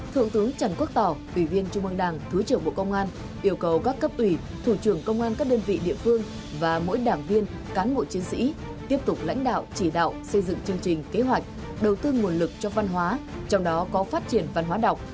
thượng tướng trần quốc tỏ ủy viên trung mương đảng thứ trưởng bộ công an yêu cầu các cấp ủy thủ trưởng công an các đơn vị địa phương và mỗi đảng viên cán bộ chiến sĩ tiếp tục lãnh đạo chỉ đạo xây dựng chương trình kế hoạch đầu tư nguồn lực cho văn hóa trong đó có phát triển văn hóa đọc